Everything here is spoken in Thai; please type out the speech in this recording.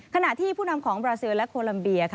ขณะที่ผู้นำของบราซิลและโคลัมเบียค่ะ